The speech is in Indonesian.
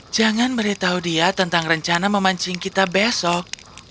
jangan beritahu dia tentang rencana memancing kita besok